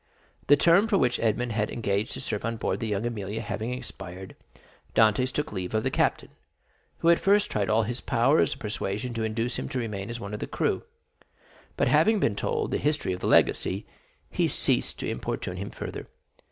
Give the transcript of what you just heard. The term for which Edmond had engaged to serve on board La Jeune Amélie having expired, Dantès took leave of the captain, who at first tried all his powers of persuasion to induce him to remain as one of the crew, but having been told the history of the legacy, he ceased to importune him further.